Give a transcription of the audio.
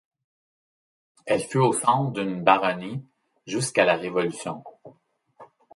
Elle fut au centre d'une baronnie jusqu'à la Révolution.